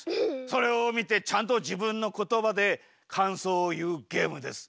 それをみてちゃんとじぶんの言葉でかんそうを言うゲームです。